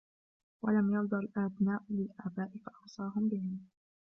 وَلَمْ يَرْضَ الْأَبْنَاءَ لِلْآبَاءِ فَأَوْصَاهُمْ بِهِمْ